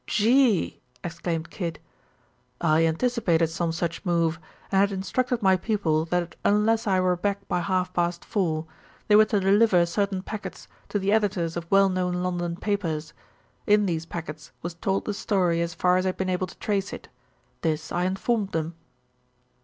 "Gee!" exclaimed Kid. "I anticipated some such move, and had instructed my people that unless I were back by half past four, they were to deliver certain packets to the editors of well known London papers. In these packets was told the story as far as I had been able to trace it. This I informed them."